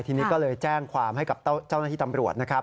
ทีนี้ก็เลยแจ้งความให้กับเจ้าหน้าที่ตำรวจนะครับ